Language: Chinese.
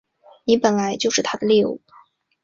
你本来就是他的猎物